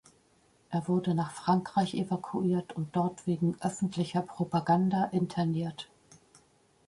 Er wurde nach Frankreich evakuiert und dort wegen "öffentlicher Propaganda" interniert.